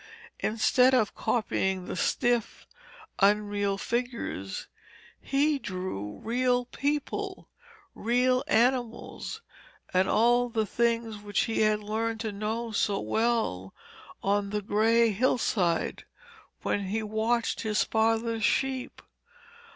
Instead of copying the stiff, unreal figures, he drew real people, real animals, and all the things which he had learned to know so well on the grey hillside, when he watched his father's sheep.